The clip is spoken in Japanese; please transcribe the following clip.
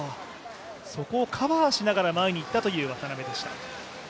そこをカバーしながら前に行ったという渡辺でした。